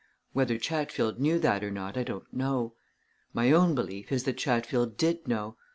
Whether Chatfield knew that or not, I don't know. My own belief is that Chatfield did know.